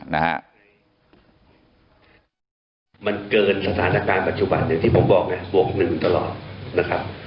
มันเกินสถานการณ์ปัจจุบันอย่างที่ผมบอกบวก๑ตลอดนะครับ